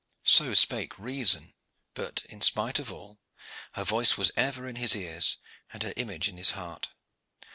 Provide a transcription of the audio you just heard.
So spake reason; but, in spite of all, her voice was ever in his ears and her image in his heart.